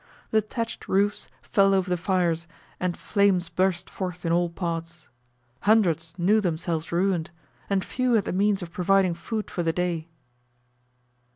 The thatched roofs fell over the fires, and flames burst forth in all parts. Hundreds knew themselves ruined, and few had the means of providing food for the day.